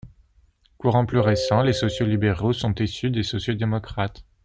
Courant plus récent, les sociaux-libéraux sont issus des sociaux-démocrates.